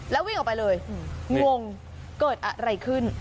แล้ววิ่งออกไปเลยงงเกิดอะไรขึ้น